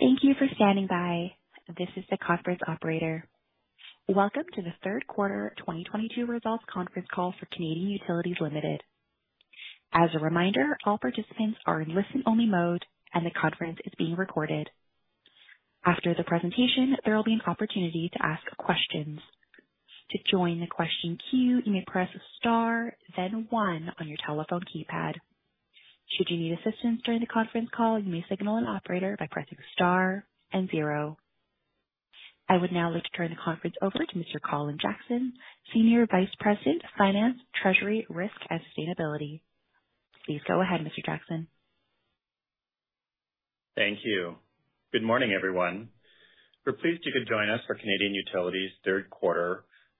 Thank you for standing by. This is the conference operator. Welcome to the Q3 2022 results conference call for Canadian Utilities Limited. As a reminder, all participants are in listen-only mode, and the conference is being recorded. After the presentation, there will be an opportunity to ask questions. To join the question queue, you may press star then one on your telephone keypad. Should you need assistance during the conference call, you may signal an operator by pressing star and zero. I would now like to turn the conference over to Mr. Colin Jackson, Senior Vice President of Finance, Treasury, Risk, and Sustainability. Please go ahead, Mr. Jackson. Thank you. Good morning, everyone. We're pleased you could join us for Canadian Utilities Q3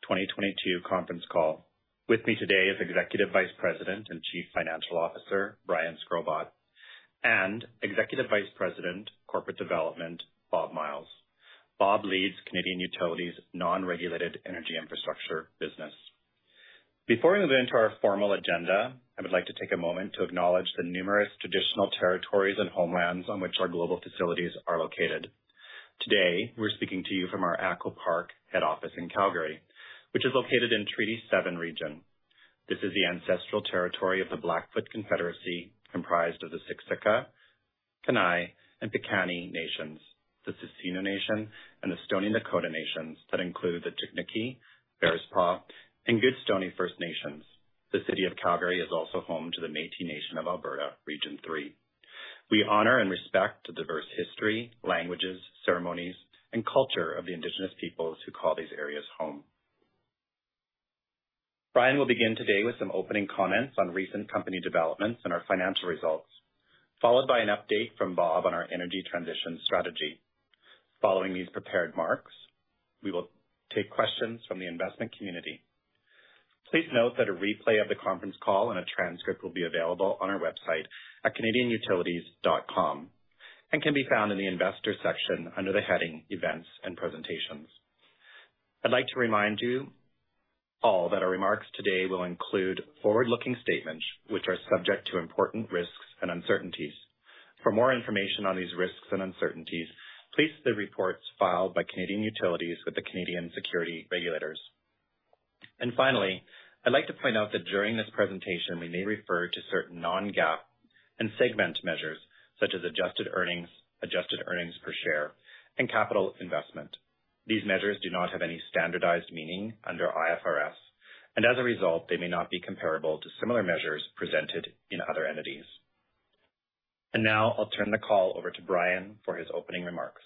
2022 conference call. With me today is Executive Vice President and Chief Financial Officer, Brian Shkrobot, and Executive Vice President, Corporate Development, Bob Myles. Bob leads Canadian Utilities' non-regulated energy infrastructure business. Before we move into our formal agenda, I would like to take a moment to acknowledge the numerous traditional territories and homelands on which our global facilities are located. Today, we're speaking to you from our ATCO Park head office in Calgary, which is located in Treaty 7 region. This is the ancestral territory of the Blackfoot Confederacy, comprised of the Siksika, Kainai, and Piikani nations, the Tsuut'ina Nation, and the Stoney Nakoda Nations that include the Chiniki, Bearspaw, and Goodstoney First Nations. The city of Calgary is also home to the Métis Nation of Alberta, Region Three. We honor and respect the diverse history, languages, ceremonies, and culture of the Indigenous peoples who call these areas home. Brian will begin today with some opening comments on recent company developments and our financial results, followed by an update from Bob on our energy transition strategy. Following these prepared remarks, we will take questions from the investment community. Please note that a replay of the conference call and a transcript will be available on our website at canadianutilities.com and can be found in the investor section under the heading Events and Presentations. I'd like to remind you all that our remarks today will include forward-looking statements which are subject to important risks and uncertainties. For more information on these risks and uncertainties, please see the reports filed by Canadian Utilities with the Canadian securities regulators. Finally, I'd like to point out that during this presentation we may refer to certain non-GAAP and segment measures, such as adjusted earnings, adjusted earnings per share, and capital investment. These measures do not have any standardized meaning under IFRS, and as a result, they may not be comparable to similar measures presented in other entities. Now I'll turn the call over to Brian for his opening remarks.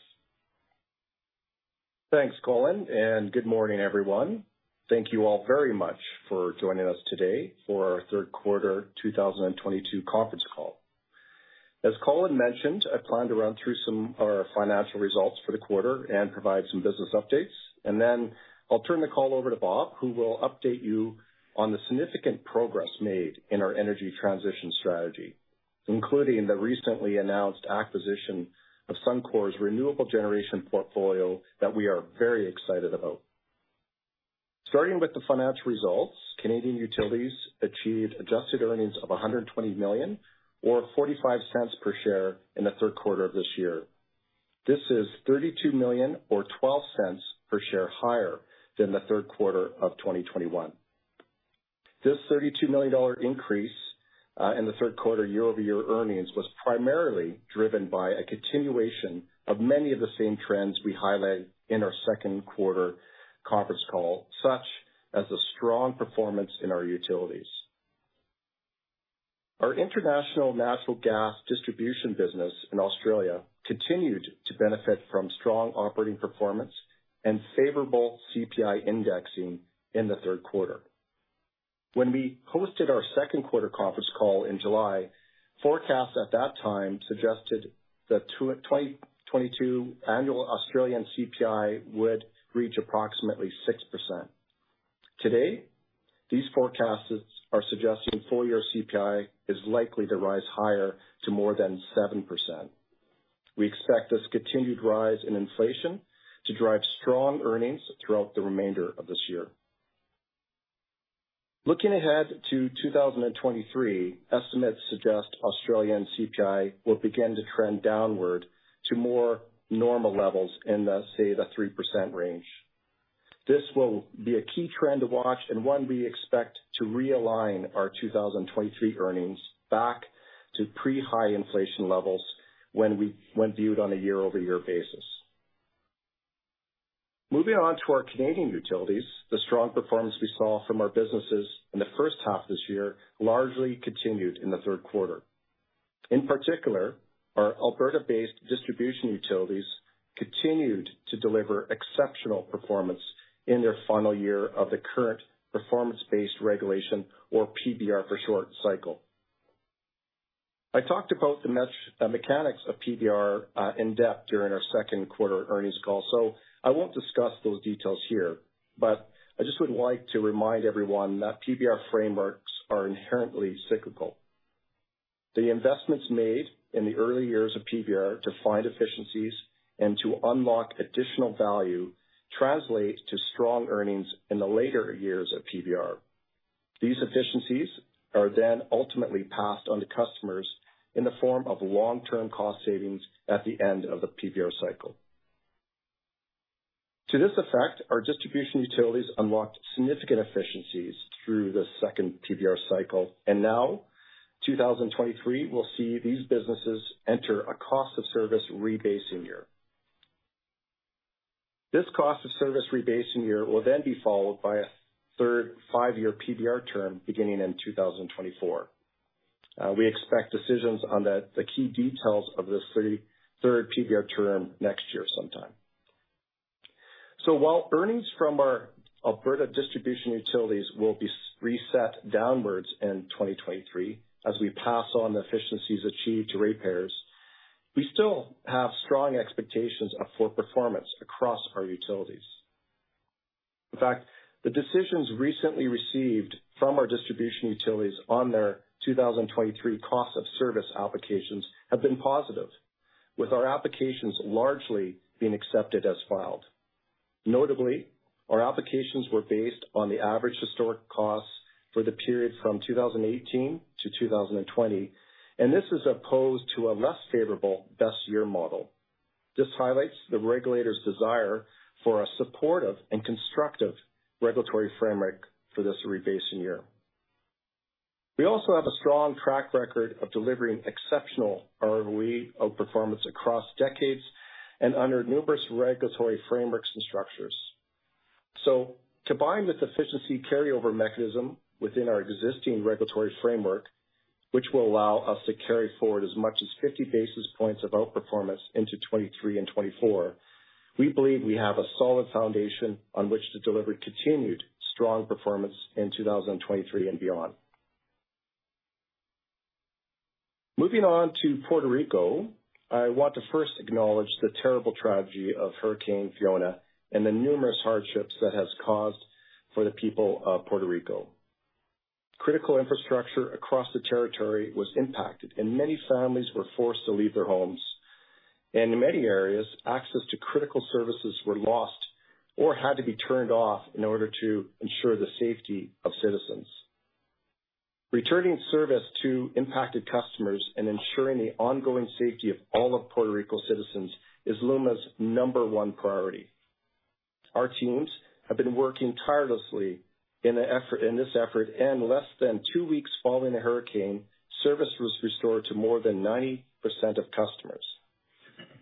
Thanks, Colin, and good morning, everyone. Thank you all very much for joining us today for our Q3 2022 conference call. As Colin mentioned, I plan to run through some of our financial results for the quarter and provide some business updates. I'll turn the call over to Bob, who will update you on the significant progress made in our energy transition strategy, including the recently announced acquisition of Suncor's renewable generation portfolio that we are very excited about. Starting with the financial results, Canadian Utilities achieved adjusted earnings of 120 million or 0.45 per share in the Q3 of this year. This is 32 million or 0.12 per share higher than the Q3 of 2021. This 32 million dollar increase in the Q3 year-over-year earnings was primarily driven by a continuation of many of the same trends we highlighted in our second-quarter conference call, such as a strong performance in our utilities. Our international natural gas distribution business in Australia continued to benefit from strong operating performance and favorable CPI indexing in the Q3. When we hosted our second-quarter conference call in July, forecasts at that time suggested the 2022 annual Australian CPI would reach approximately 6%. Today, these forecasts are suggesting full-year CPI is likely to rise higher to more than 7%. We expect this continued rise in inflation to drive strong earnings throughout the remainder of this year. Looking ahead to 2023, estimates suggest Australian CPI will begin to trend downward to more normal levels in the, say, the 3% range. This will be a key trend to watch and one we expect to realign our 2023 earnings back to pre-high inflation levels when viewed on a year-over-year basis. Moving on to our Canadian Utilities, the strong performance we saw from our businesses in the H1 of this year largely continued in the Q3. In particular, our Alberta-based distribution utilities continued to deliver exceptional performance in their final year of the current performance-based regulation or PBR for short cycle. I talked about the mechanics of PBR in-depth during our Q2 earnings call, so I won't discuss those details here. I just would like to remind everyone that PBR frameworks are inherently cyclical. The investments made in the early years of PBR to find efficiencies and to unlock additional value translate to strong earnings in the later years of PBR. These efficiencies are then ultimately passed on to customers in the form of long-term cost savings at the end of the PBR cycle. To this effect, our distribution utilities unlocked significant efficiencies through the second PBR cycle, and now 2023 will see these businesses enter a cost of service rebasing year. This cost of service rebasing year will then be followed by a third five-year PBR term beginning in 2024. We expect decisions on the key details of this third PBR term next year sometime. While earnings from our Alberta distribution utilities will be reset downwards in 2023 as we pass on the efficiencies achieved to ratepayers, we still have strong expectations for performance across our utilities. In fact, the decisions recently received from our distribution utilities on their 2023 cost of service applications have been positive, with our applications largely being accepted as filed. Notably, our applications were based on the average historic costs for the period from 2018-2020, and this as opposed to a less favorable best year model. This highlights the regulator's desire for a supportive and constructive regulatory framework for this rebasing year. We also have a strong track record of delivering exceptional ROE outperformance across decades and under numerous regulatory frameworks and structures. Combining this efficiency carryover mechanism within our existing regulatory framework, which will allow us to carry forward as much as 50 basis points of outperformance into 2023 and 2024, we believe we have a solid foundation on which to deliver continued strong performance in 2023 and beyond. Moving on to Puerto Rico, I want to first acknowledge the terrible tragedy of Hurricane Fiona and the numerous hardships that has caused for the people of Puerto Rico. Critical infrastructure across the territory was impacted, and many families were forced to leave their homes. In many areas, access to critical services were lost or had to be turned off in order to ensure the safety of citizens. Returning service to impacted customers and ensuring the ongoing safety of all of Puerto Rico's citizens is LUMA's number one priority. Our teams have been working tirelessly in this effort, and less than two weeks following the hurricane, service was restored to more than 90% of customers.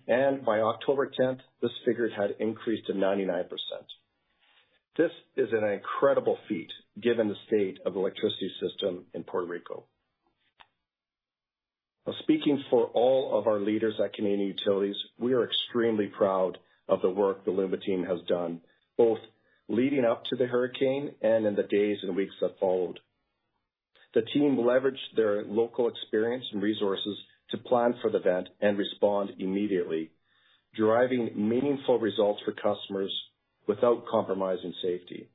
By October tenth, this figure had increased to 99%. This is an incredible feat, given the state of electricity system in Puerto Rico. Now, speaking for all of our leaders at Canadian Utilities, we are extremely proud of the work the LUMA team has done, both leading up to the hurricane and in the days and weeks that followed. The team leveraged their local experience and resources to plan for the event and respond immediately, driving meaningful results for customers without compromising safety.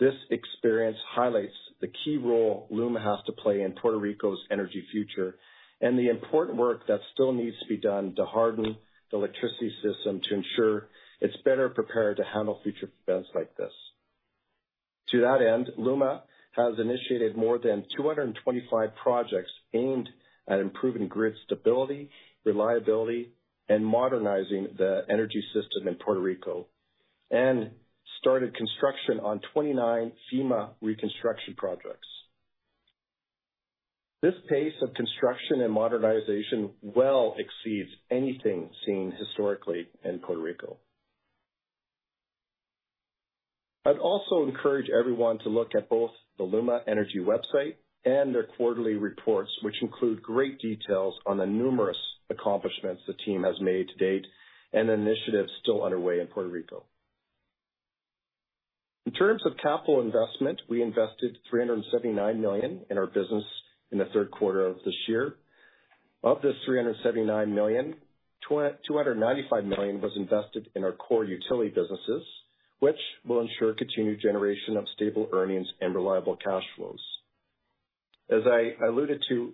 This experience highlights the key role LUMA Energy has to play in Puerto Rico's energy future and the important work that still needs to be done to harden the electricity system to ensure it's better prepared to handle future events like this. To that end, LUMA Energy has initiated more than 225 projects aimed at improving grid stability, reliability, and modernizing the energy system in Puerto Rico, and started construction on 29 FEMA reconstruction projects. This pace of construction and modernization well exceeds anything seen historically in Puerto Rico. I'd also encourage everyone to look at both the LUMA Energy website and their quarterly reports, which include great details on the numerous accomplishments the team has made to date and initiatives still underway in Puerto Rico. In terms of capital investment, we invested 379 million in our business in the Q3 of this year. Of this 379 million, 295 million was invested in our core utility businesses, which will ensure continued generation of stable earnings and reliable cash flows. As I alluded to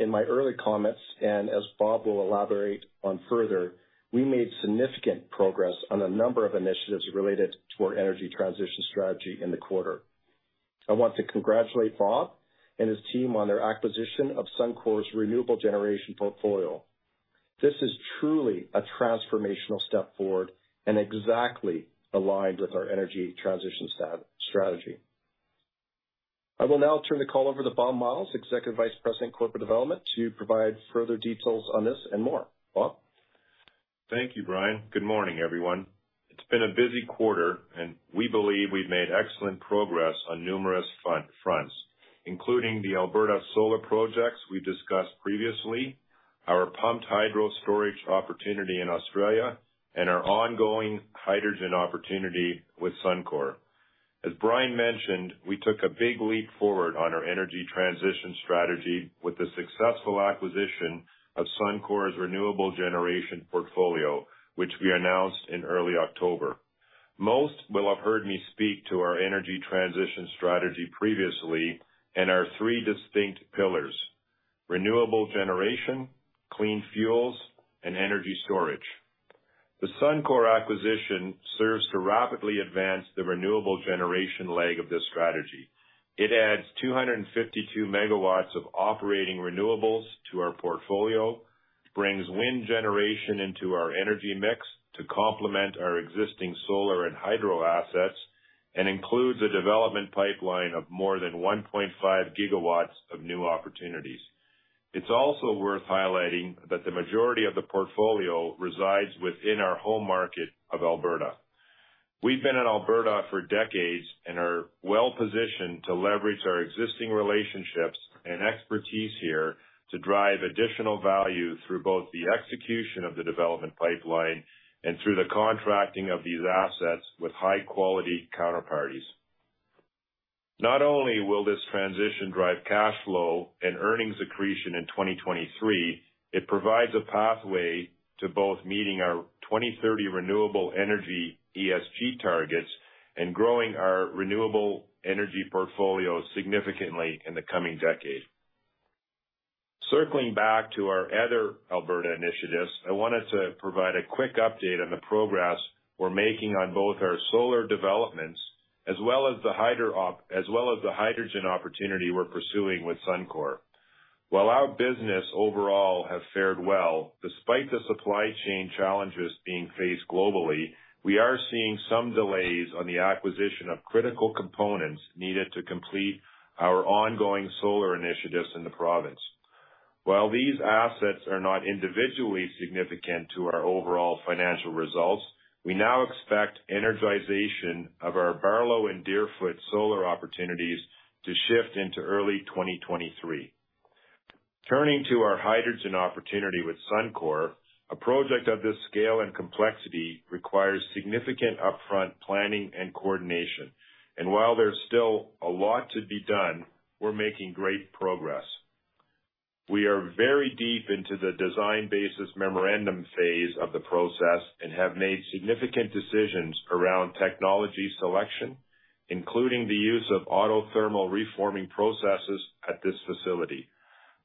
in my early comments, and as Bob will elaborate on further, we made significant progress on a number of initiatives related to our energy transition strategy in the quarter. I want to congratulate Bob and his team on their acquisition of Suncor's renewable generation portfolio. This is truly a transformational step forward and exactly aligned with our energy transition strategy. I will now turn the call over to Bob Myles, Executive Vice President, Corporate Development, to provide further details on this and more. Bob? Thank you, Brian. Good morning, everyone. It's been a busy quarter, and we believe we've made excellent progress on numerous fronts, including the Alberta solar projects we discussed previously, our pumped hydro storage opportunity in Australia, and our ongoing hydrogen opportunity with Suncor. As Brian mentioned, we took a big leap forward on our energy transition strategy with the successful acquisition of Suncor's renewable generation portfolio, which we announced in early October. Most will have heard me speak to our energy transition strategy previously and our three distinct pillars, renewable generation, clean fuels, and energy storage. The Suncor acquisition serves to rapidly advance the renewable generation leg of this strategy. It adds 252 megawatts of operating renewables to our portfolio, brings wind generation into our energy mix to complement our existing solar and hydro assets, and includes a development pipeline of more than 1.5 gigawatts of new opportunities. It's also worth highlighting that the majority of the portfolio resides within our home market of Alberta. We've been in Alberta for decades and are well-positioned to leverage our existing relationships and expertise here to drive additional value through both the execution of the development pipeline and through the contracting of these assets with high-quality counterparties. Not only will this transition drive cash flow and earnings accretion in 2023, it provides a pathway to both meeting our 2030 renewable energy ESG targets and growing our renewable energy portfolio significantly in the coming decade. Circling back to our other Alberta initiatives, I wanted to provide a quick update on the progress we're making on both our solar developments as well as the hydrogen opportunity we're pursuing with Suncor. While our business overall has fared well, despite the supply chain challenges being faced globally, we are seeing some delays on the acquisition of critical components needed to complete our ongoing solar initiatives in the province. While these assets are not individually significant to our overall financial results, we now expect energization of our Barlow and Deerfoot solar opportunities to shift into early 2023. Turning to our hydrogen opportunity with Suncor, a project of this scale and complexity requires significant upfront planning and coordination. While there's still a lot to be done, we're making great progress. We are very deep into the design basis memorandum phase of the process and have made significant decisions around technology selection, including the use of autothermal reforming processes at this facility.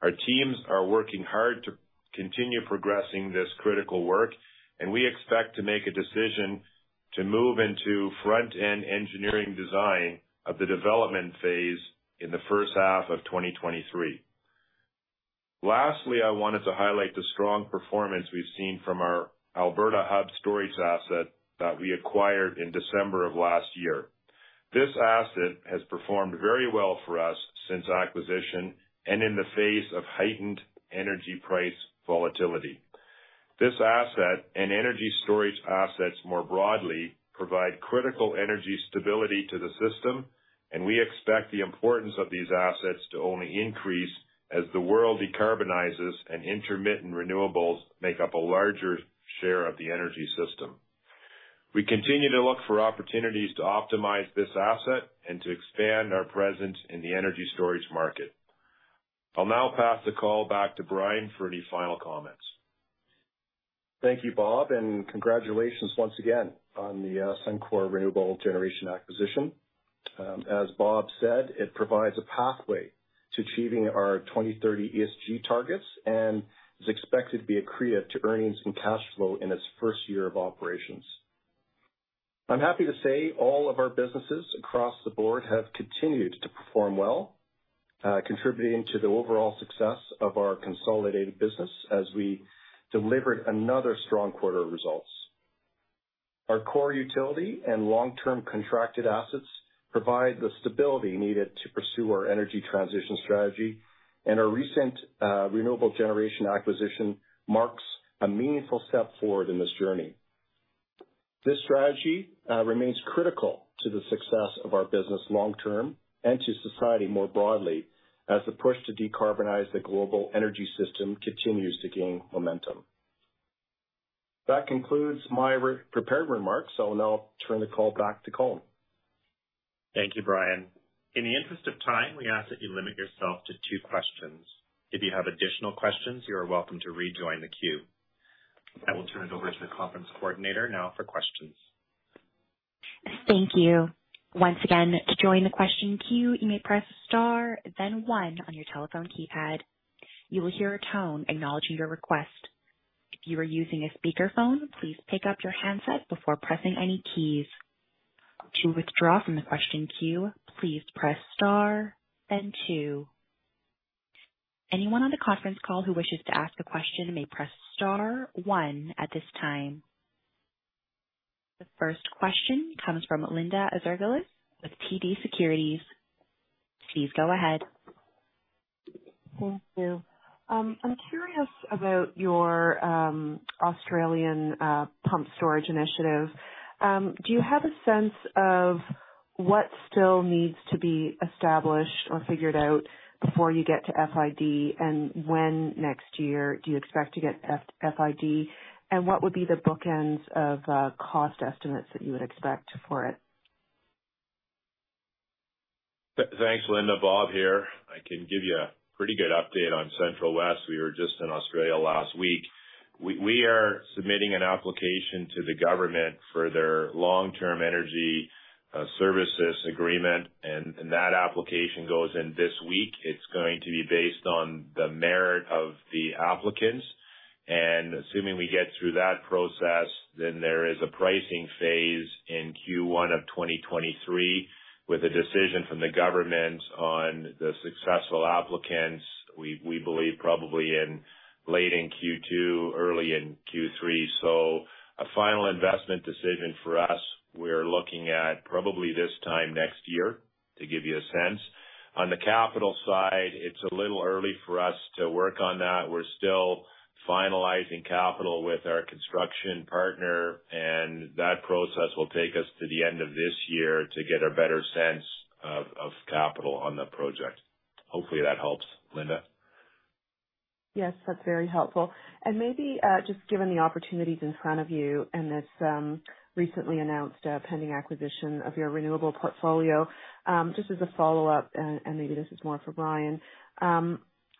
Our teams are working hard to continue progressing this critical work, and we expect to make a decision to move into front-end engineering design of the development phase in the H1 of 2023. Lastly, I wanted to highlight the strong performance we've seen from our Alberta Hub storage asset that we acquired in December of last year. This asset has performed very well for us since acquisition and in the face of heightened energy price volatility. This asset and energy storage assets more broadly provide critical energy stability to the system, and we expect the importance of these assets to only increase as the world decarbonizes and intermittent renewables make up a larger share of the energy system. We continue to look for opportunities to optimize this asset and to expand our presence in the energy storage market. I'll now pass the call back to Brian for any final comments. Thank you, Bob, and congratulations once again on the Suncor Renewable Generation acquisition. As Bob said, it provides a pathway to achieving our 2030 ESG targets and is expected to be accretive to earnings and cash flow in its first year of operations. I'm happy to say all of our businesses across the board have continued to perform well, contributing to the overall success of our consolidated business as we delivered another strong quarter of results. Our core utility and long-term contracted assets provide the stability needed to pursue our energy transition strategy, and our recent renewable generation acquisition marks a meaningful step forward in this journey. This strategy remains critical to the success of our business long term and to society more broadly as the push to decarbonize the global energy system continues to gain momentum. That concludes my re-prepared remarks. I'll now turn the call back to Colin. Thank you, Brian. In the interest of time, we ask that you limit yourself to two questions. If you have additional questions, you are welcome to rejoin the queue. I will turn it over to the conference coordinator now for questions. Thank you. Once again, to join the question queue, you may press star then one on your telephone keypad. You will hear a tone acknowledging your request. If you are using a speakerphone, please pick up your handset before pressing any keys. To withdraw from the question queue, please press star then two. Anyone on the conference call who wishes to ask a question may press star one at this time. The first question comes from Linda Ezergailis with TD Securities. Please go ahead. Thank you. I'm curious about your Australian pumped storage initiative. Do you have a sense of what still needs to be established or figured out before you get to FID, and when next year do you expect to get FID, and what would be the bookends of cost estimates that you would expect for it? Thanks, Linda. Bob here. I can give you a pretty good update on Central West. We were just in Australia last week. We are submitting an application to the government for their long-term energy services agreement, and that application goes in this week. It's going to be based on the merit of the applicants. Assuming we get through that process, then there is a pricing phase in Q1 of 2023 with a decision from the government on the successful applicants. We believe probably in late Q2, early Q3. A final investment decision for us, we're looking at probably this time next year, to give you a sense. On the capital side, it's a little early for us to work on that. We're still finalizing capital with our construction partner, and that process will take us to the end of this year to get a better sense of capital on the project. Hopefully that helps, Linda. Yes, that's very helpful. Maybe, just given the opportunities in front of you and this, recently announced, pending acquisition of your renewable portfolio, just as a follow-up, maybe this is more for Brian,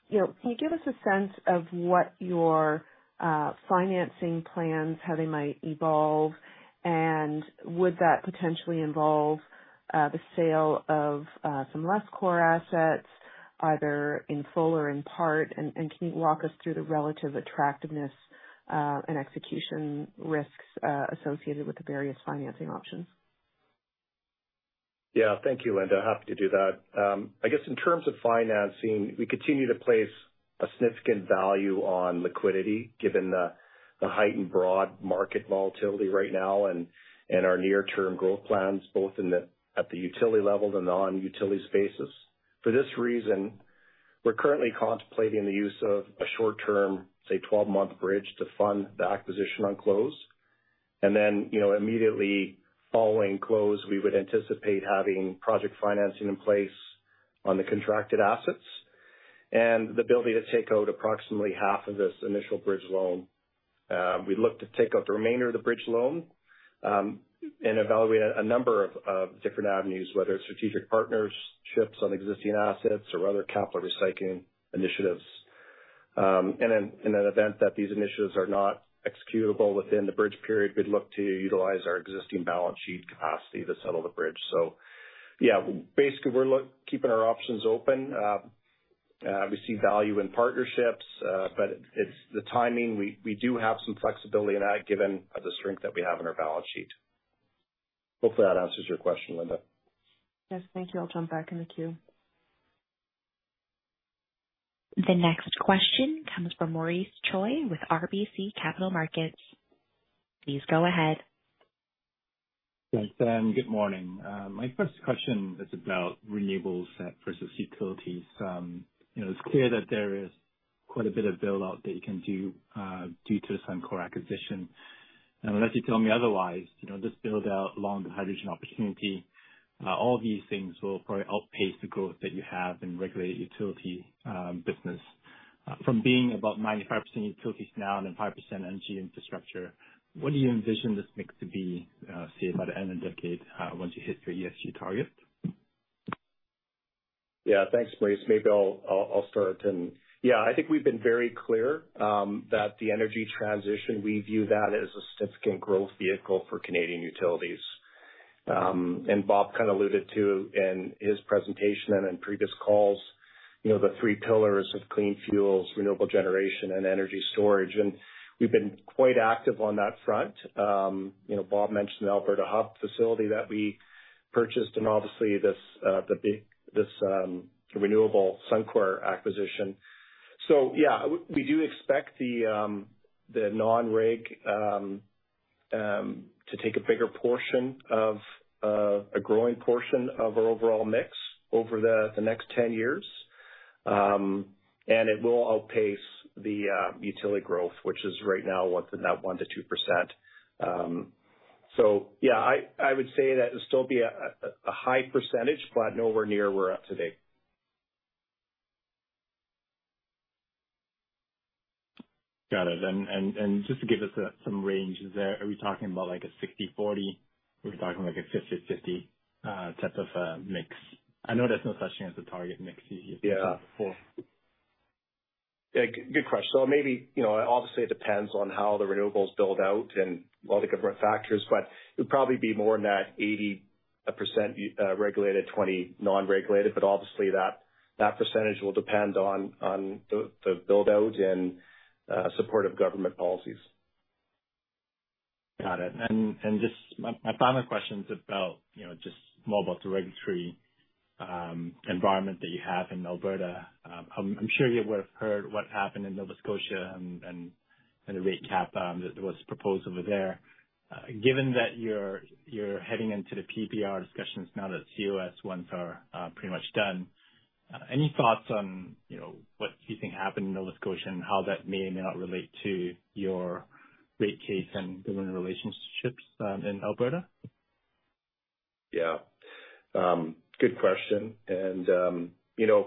you know, can you give us a sense of what your, financing plans, how they might evolve? Would that potentially involve, the sale of, some less core assets, either in full or in part? Can you walk us through the relative attractiveness, and execution risks, associated with the various financing options? Yeah. Thank you, Linda. Happy to do that. I guess in terms of financing, we continue to place a significant value on liquidity given the heightened broad market volatility right now and our near-term growth plans, both at the utility level and the non-utility spaces. For this reason, we're currently contemplating the use of a short-term, say 12-month bridge to fund the acquisition on close. You know, immediately following close, we would anticipate having project financing in place on the contracted assets and the ability to take out approximately half of this initial bridge loan. We'd look to take out the remainder of the bridge loan and evaluate a number of different avenues, whether it's strategic partnerships on existing assets or other capital recycling initiatives. In an event that these initiatives are not executable within the bridge period, we'd look to utilize our existing balance sheet capacity to settle the bridge. Yeah, basically, we're keeping our options open. We see value in partnerships, but it's the timing. We do have some flexibility in that given the strength that we have in our balance sheet. Hopefully that answers your question, Linda. Yes. Thank you. I'll jump back in the queue. The next question comes from Maurice Choy with RBC Capital Markets. Please go ahead. Thanks, Sam. Good morning. My first question is about renewables versus utilities. You know, it's clear that there is quite a bit of build-out that you can do, due to the Suncor acquisition. Unless you tell me otherwise, you know, this build-out, along with the hydrogen opportunity, all these things will probably outpace the growth that you have in regulated utility business. From being about 95% utilities now and then 5% energy infrastructure, what do you envision this mix to be, say, by the end of the decade, once you hit your ESG target? Yeah. Thanks, Maurice. Maybe I'll start. Yeah, I think we've been very clear that the energy transition, we view that as a significant growth vehicle for Canadian Utilities. Bob kind of alluded to in his presentation and in previous calls, you know, the three pillars of clean fuels, renewable generation, and energy storage. We've been quite active on that front. You know, Bob mentioned the Alberta Hub facility that we purchased and obviously the big renewable Suncor acquisition. Yeah, we do expect the non-reg to take a bigger portion of a growing portion of our overall mix over the next 10 years. It will outpace the utility growth, which is right now what's in that 1%-2%. Yeah, I would say that it'll still be a high percentage, but nowhere near where we're at today. Got it. Just to give us some ranges there, are we talking about like a 60/40? Are we talking like a 50/50 type of a mix? I know there's no such thing as a target mix these days. Yeah. But, uh, for. Good question. Maybe, you know, obviously it depends on how the renewables build out and all the different factors, but it'd probably be more in that 80% regulated, 20% non-regulated. But obviously that percentage will depend on the build-out and support of government policies. Got it. Just my final question is about, you know, just more about the regulatory environment that you have in Alberta. I'm sure you would have heard what happened in Nova Scotia and the rate cap that was proposed over there. Given that you're heading into the PBR discussions now that COS ones are pretty much done, any thoughts on, you know, what you think happened in Nova Scotia and how that may or may not relate to your rate case and government relationships in Alberta? Yeah. Good question. You know,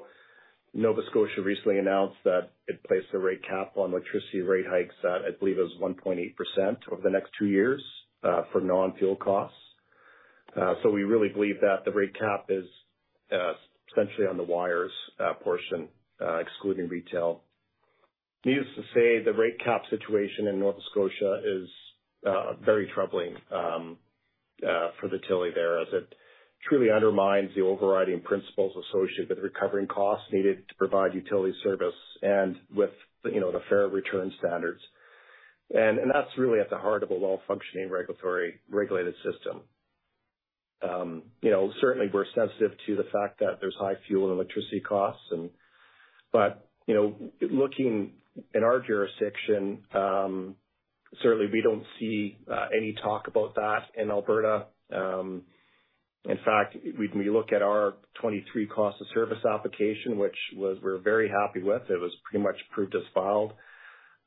Nova Scotia recently announced that it placed a rate cap on electricity rate hikes at, I believe it was 1.8% over the next two years, for non-fuel costs. We really believe that the rate cap is essentially on the wires portion, excluding retail. Needless to say, the rate cap situation in Nova Scotia is very troubling, for the utility there, as it truly undermines the overriding principles associated with recovering costs needed to provide utility service and with, you know, the fair return standards. That's really at the heart of a well-functioning regulated system. You know, certainly we're sensitive to the fact that there's high fuel and electricity costs. You know, looking in our jurisdiction, certainly we don't see any talk about that in Alberta. In fact, when you look at our 2023 cost of service application, which we're very happy with, it was pretty much approved as filed.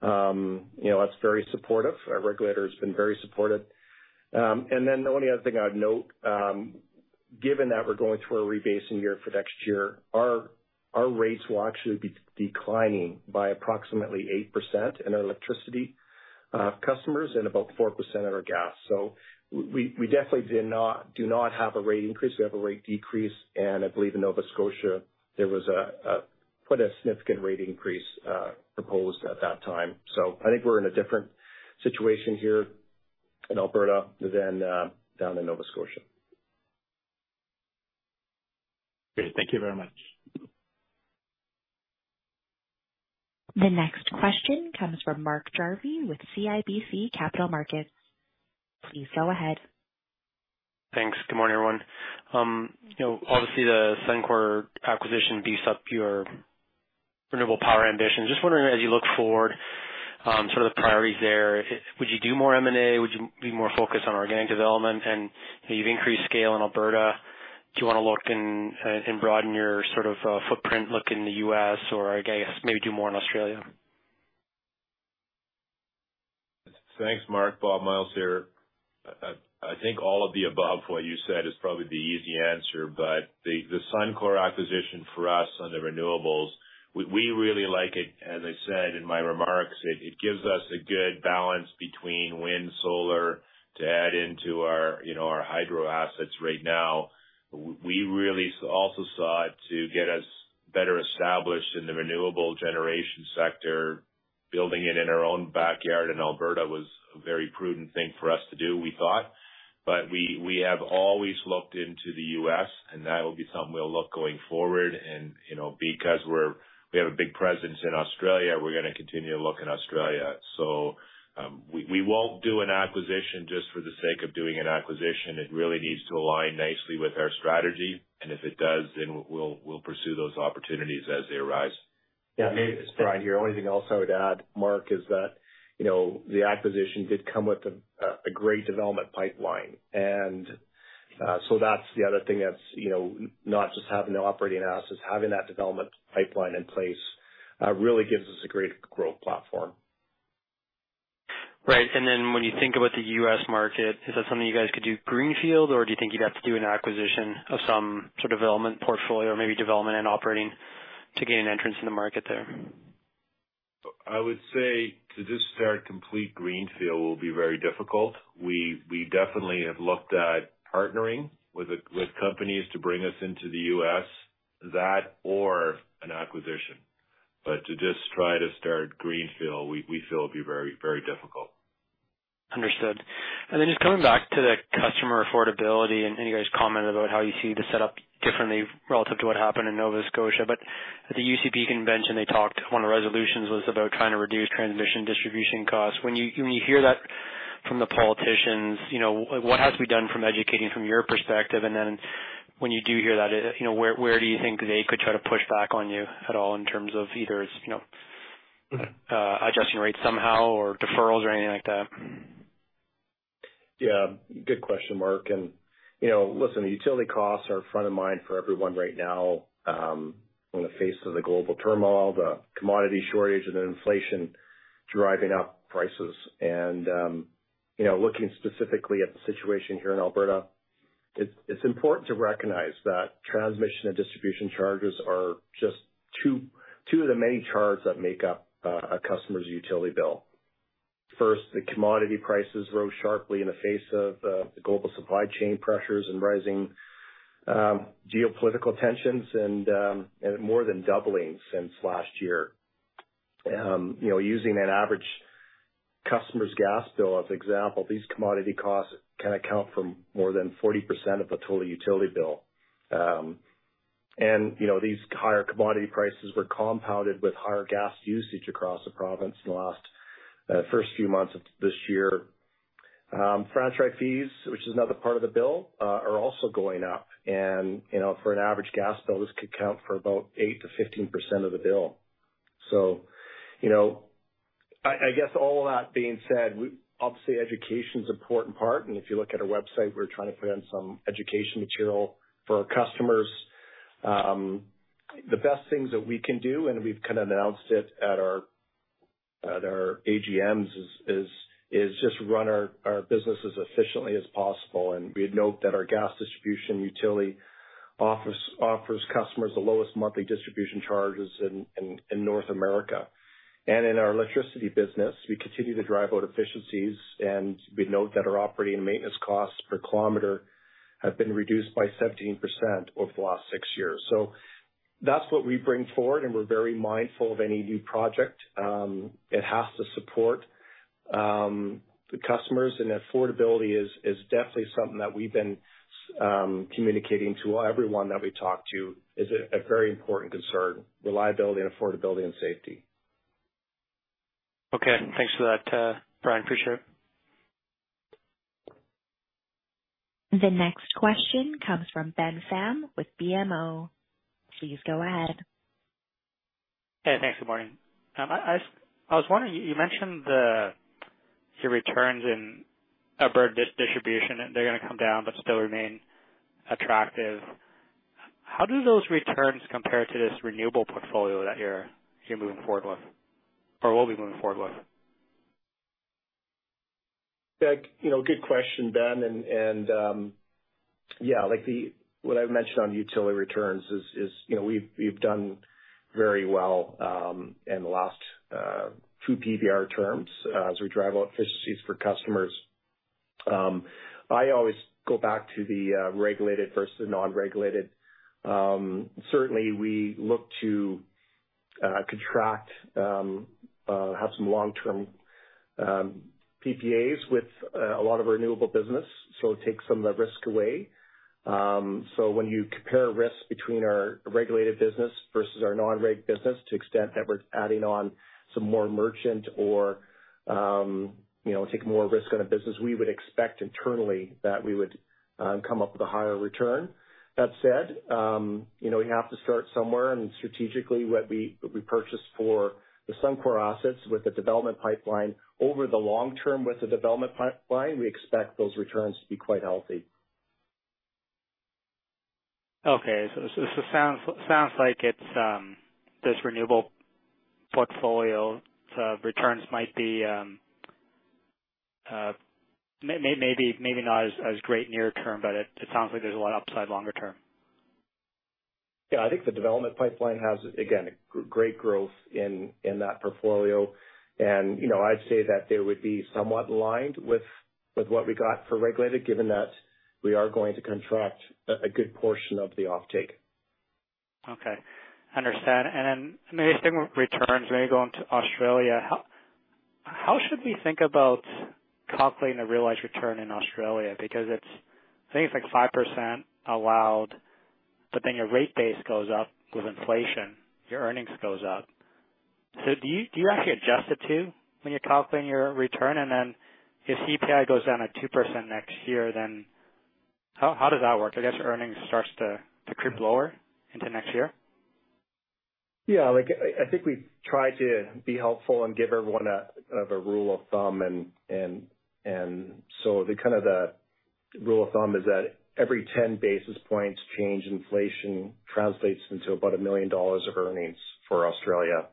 You know, that's very supportive. Our regulator has been very supportive. And then the only other thing I'd note, given that we're going through a rebasing year for next year, our rates will actually be declining by approximately 8% in our electricity customers and about 4% for our gas. We definitely did not, do not have a rate increase. We have a rate decrease. I believe in Nova Scotia, there was a quite significant rate increase proposed at that time. I think we're in a different situation here in Alberta than down in Nova Scotia. Great. Thank you very much. The next question comes from Mark Jarvi with CIBC Capital Markets. Please go ahead. Thanks. Good morning, everyone. You know, obviously the Suncor acquisition beefs up your renewable power ambitions. Just wondering, as you look forward, sort of the priorities there, would you do more M&A? Would you be more focused on organic development? You've increased scale in Alberta. Do you want to look and broaden your sort of footprint, look in the U.S. or, I guess, maybe do more in Australia? Thanks, Mark. Bob Myles here. I think all of the above, what you said is probably the easy answer, but the Suncor acquisition for us on the renewables, we really like it. As I said in my remarks, it gives us a good balance between wind, solar to add into our, you know, our hydro assets right now. We really also saw it to get us better established in the renewable generation sector. Building it in our own backyard in Alberta was a very prudent thing for us to do, we thought. We have always looked into the U.S., and that'll be something we'll look going forward. You know, because we have a big presence in Australia, we're gonna continue to look in Australia. We won't do an acquisition just for the sake of doing an acquisition. It really needs to align nicely with our strategy, and if it does, then we'll pursue those opportunities as they arise. Yeah. It's Brian here. Only thing else I would add, Mark, is that, you know, the acquisition did come with a great development pipeline. That's the other thing that's, you know, not just having the operating assets, having that development pipeline in place really gives us a great growth platform. Right. When you think about the U.S. market, is that something you guys could do greenfield, or do you think you'd have to do an acquisition or some sort of development portfolio or maybe development and operating to gain entry in the market there? I would say to just start complete greenfield will be very difficult. We definitely have looked at partnering with companies to bring us into the U.S. That or an acquisition. To just try to start greenfield, we feel it'd be very, very difficult. Understood. Then just coming back to the customer affordability and you guys commented about how you see the setup differently relative to what happened in Nova Scotia. At the UCP convention, they talked, one of the resolutions was about trying to reduce transmission distribution costs. When you hear that from the politicians, you know, what has to be done from educating from your perspective? Then when you do hear that, you know, where do you think they could try to push back on you at all in terms of either, you know, adjusting rates somehow or deferrals or anything like that? Yeah, good question, Mark. You know, listen, utility costs are front of mind for everyone right now in the face of the global turmoil, the commodity shortage and inflation driving up prices. Looking specifically at the situation here in Alberta, it's important to recognize that transmission and distribution charges are just two of the many charges that make up a customer's utility bill. First, the commodity prices rose sharply in the face of the global supply chain pressures and rising geopolitical tensions and more than doubling since last year. You know, using an average customer's gas bill as example, these commodity costs can account for more than 40% of the total utility bill. You know, these higher commodity prices were compounded with higher gas usage across the province in the last first few months of this year. Franchise fees, which is another part of the bill, are also going up. You know, for an average gas bill, this could account for about 8%-15% of the bill. You know, I guess all of that being said, we obviously education is an important part, and if you look at our website, we're trying to put on some education material for our customers. The best things that we can do, and we've kind of announced it at our AGMs, is just run our business as efficiently as possible. We note that our gas distribution utility office offers customers the lowest monthly distribution charges in North America. In our electricity business, we continue to drive out efficiencies, and we note that our operating maintenance costs per kilometer have been reduced by 17% over the last six years. That's what we bring forward, and we're very mindful of any new project. It has to support the customers, and affordability is definitely something that we've been communicating to everyone that we talk to is a very important concern. Reliability and affordability and safety. Okay. Thanks for that, Brian. Appreciate it. The next question comes from Ben Pham with BMO. Please go ahead. Hey, thanks. Good morning. I was wondering, you mentioned your returns in our distribution, they're gonna come down but still remain attractive. How do those returns compare to this renewable portfolio that you're moving forward with or will be moving forward with? Yeah. You know, good question, Ben. Yeah, like what I've mentioned on utility returns is, you know, we've done very well in the last two PBR terms as we drive efficiencies for customers. I always go back to the regulated versus non-regulated. Certainly we look to have some long-term PPAs with a lot of renewable business, so take some of the risk away. When you compare risk between our regulated business versus our non-reg business, to the extent that we're adding on some more merchant or you know, taking more risk on a business, we would expect internally that we would come up with a higher return. That said, you know, we have to start somewhere and strategically what we purchased for the Suncor assets with the development pipeline. Over the long term with the development pipeline, we expect those returns to be quite healthy. Okay. Sounds like it's this renewable portfolio's maybe not as great near term, but it sounds like there's a lot of upside longer term. Yeah. I think the development pipeline has, again, great growth in that portfolio. You know, I'd say that they would be somewhat aligned with what we got for regulated, given that we are going to contract a good portion of the offtake. Okay. Understand. Then staying with returns, when you go into Australia, how should we think about calculating the realized return in Australia? Because it's, I think it's like 5% allowed, but then your rate base goes up with inflation, your earnings goes up. Do you actually adjust it too when you're calculating your return? Then if CPI goes down at 2% next year, how does that work? I guess earnings starts to creep lower into next year. Yeah. Like, I think we try to be helpful and give everyone a kind of rule of thumb. The rule of thumb is that every 10 basis points change in inflation translates into about 1 million dollars of earnings for Australia.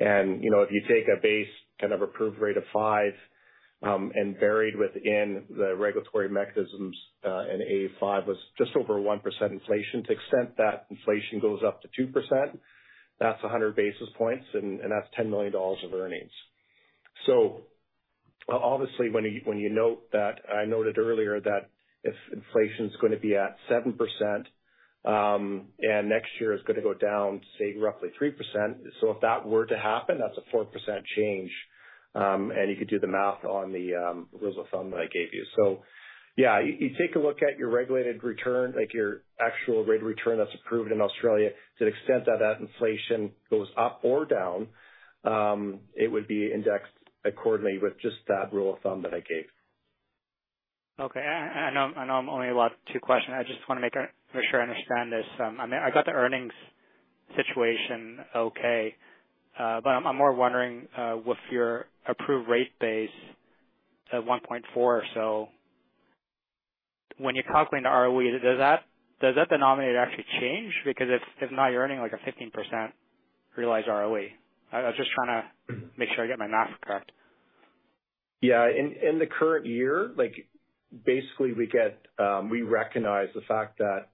You know, if you take a base kind of approved rate of five, and buried within the regulatory mechanisms, in 5 was just over 1% inflation. To the extent that inflation goes up to 2%, that's 100 basis points, and that's 10 million dollars of earnings. Obviously, when you note that I noted earlier that if inflation's gonna be at 7%, and next year is gonna go down, say, roughly 3%, if that were to happen, that's a 4% change. You could do the math on the rule of thumb that I gave you. Yeah, you take a look at your regulated return, like your actual rate of return that's approved in Australia, to the extent that that inflation goes up or down, it would be indexed accordingly with just that rule of thumb that I gave. Okay. I know I'm only allowed two questions. I just wanna make sure I understand this. I mean, I got the earnings situation okay. But I'm more wondering with your approved rate base at 1.4 or so, when you're calculating the ROE, does that denominator actually change? Because if not, you're earning like a 15% realized ROE. I was just trying to make sure I get my math correct. Yeah. In the current year, like, basically we get, we recognize the fact that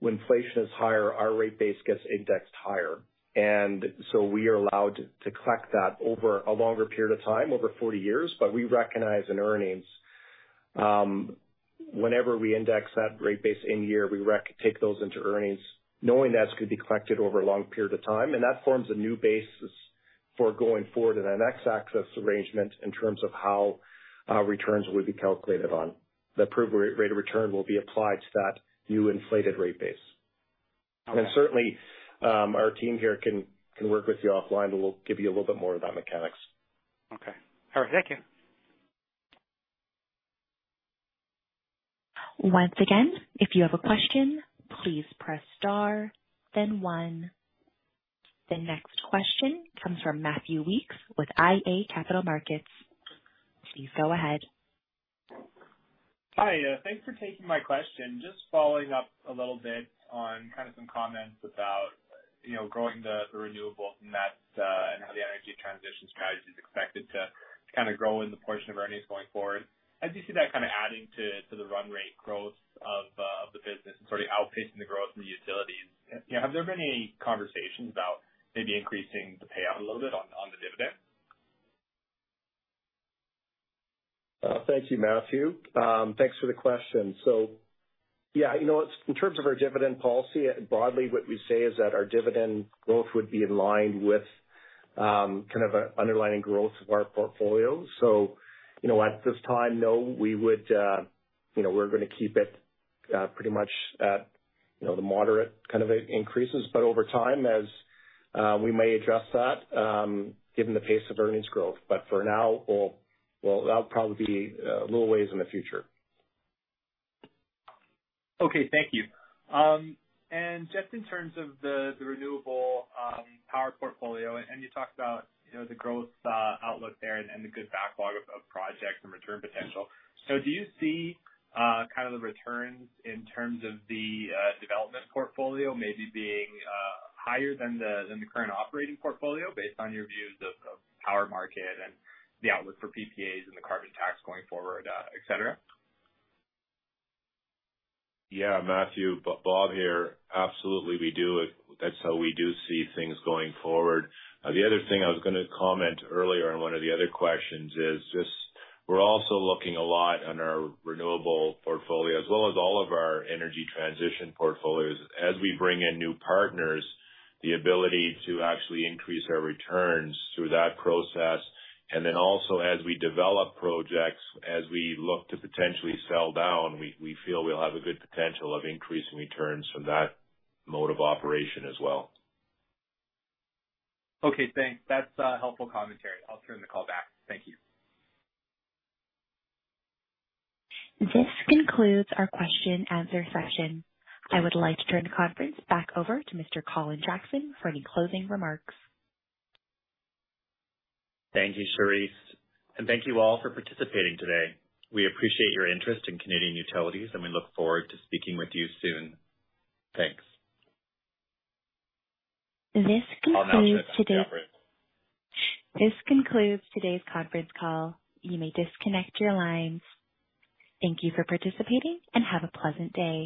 when inflation is higher, our rate base gets indexed higher. We are allowed to collect that over a longer period of time, over 40 years. We recognize in earnings, whenever we index that rate base in year, we take those into earnings, knowing that's going to be collected over a long period of time, and that forms a new basis for going forward in our next access arrangement in terms of how our returns will be calculated on. The approved rate of return will be applied to that new inflated rate base. Okay. Certainly, our team here can work with you offline. We'll give you a little bit more of that mechanics. Okay. All right. Thank you. Once again, if you have a question, please press star then one. The next question comes from Matthew Weekes with iA Capital Markets. Please go ahead. Hi. Thanks for taking my question. Just following up a little bit on kind of some comments about, you know, growing the renewable net, and how the energy transition strategy is expected to kind of grow in the portion of earnings going forward. As you see that kind of adding to the run rate growth of the business and sort of outpacing the growth in the utilities, you know, have there been any conversations about maybe increasing the payout a little bit on the dividend? Thank you, Matthew. Thanks for the question. Yeah, you know, in terms of our dividend policy, broadly, what we say is that our dividend growth would be in line with kind of underlying growth of our portfolio. You know, at this time, no, we would, you know, we're gonna keep it pretty much at you know the moderate kind of increases. Over time, as we may address that given the pace of earnings growth. For now, well, that'll probably be a little ways in the future. Okay, thank you. Just in terms of the renewable power portfolio, and you talked about, you know, the growth outlook there and the good backlog of projects and return potential. Do you see kind of the returns in terms of the development portfolio maybe being higher than the current operating portfolio based on your views of power market and the outlook for PPAs and the carbon tax going forward, et cetera? Yeah, Matthew. Bob here. Absolutely, we do. That's how we do see things going forward. The other thing I was gonna comment earlier in one of the other questions is just we're also looking a lot on our renewable portfolio as well as all of our energy transition portfolios. As we bring in new partners, the ability to actually increase our returns through that process, and then also as we develop projects, as we look to potentially sell down, we feel we'll have a good potential of increasing returns from that mode of operation as well. Okay, thanks. That's helpful commentary. I'll turn the call back. Thank you. This concludes our question and answer session. I would like to turn the conference back over to Mr. Colin Jackson for any closing remarks. Thank you, Charisse. Thank you all for participating today. We appreciate your interest in Canadian Utilities, and we look forward to speaking with you soon. Thanks. This concludes today. I'll now turn it to the operator. This concludes today's conference call. You may disconnect your lines. Thank you for participating and have a pleasant day.